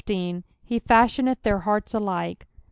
*' He fathioneih their hearts alike."